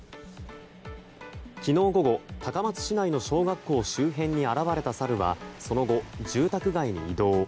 昨日午後高松市内の小学校周辺に現れたサルはその後、住宅街に移動。